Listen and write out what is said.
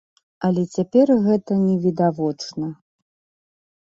Але цяпер гэта не відавочна.